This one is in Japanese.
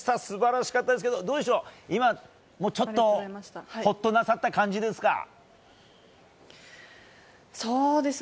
素晴らしかったですけど今、ちょっとほっとなさった感じですか？